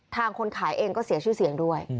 คนขายเองก็เสียชื่อเสียงด้วย